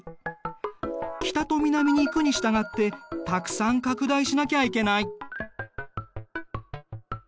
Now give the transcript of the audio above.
北と南に行くに従ってたくさん拡大しなきゃいけない。